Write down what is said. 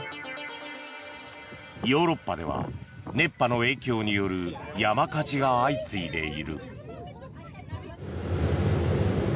ヨーロッパでは熱波の影響による山火事が相次いでいる。